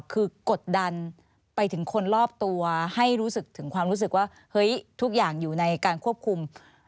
คือกดดันไปถึงคนรอบตัวให้รู้สึกถึงความรู้สึกว่าเฮ้ยทุกอย่างอยู่ในการควบคุม